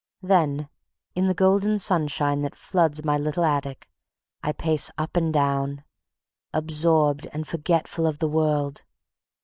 Then in the golden sunshine that floods my little attic I pace up and down, absorbed and forgetful of the world.